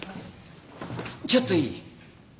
ちょっといい？